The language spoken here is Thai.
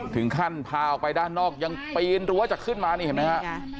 พาออกไปด้านนอกยังปีนรั้วจากขึ้นมานี่เห็นไหมฮะ